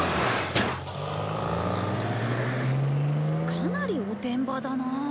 かなりおてんばだなあ。